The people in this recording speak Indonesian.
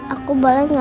aku baru ngapain ya